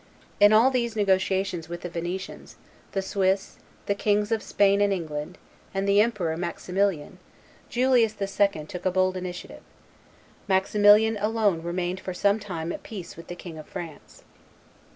In all these negotiations with the Venetians, the Swiss, the Kings of Spain and England, and the Emperor Maximilian, Julius II. took a bold initiative. Maximilian alone remained for some time at peace with the King of France.